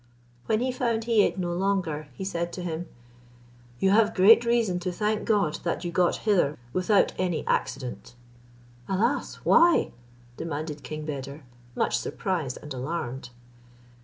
When he found he ate no longer, he said to him, "You have great reason to thank God that you got hither without any accident." "Alas! why?" demanded King Beder, much surprised and alarmed.